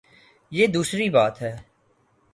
یہ دوسری بات ہے۔